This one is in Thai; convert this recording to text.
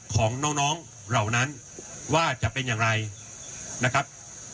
ของน้องเหล่านั้นว่าจะเป็นอย่างไรนะครับ